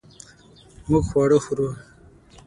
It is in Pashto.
مونږ خواړه خورو